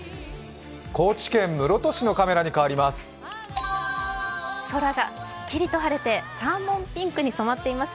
高知県室戸市のカメラに替わります。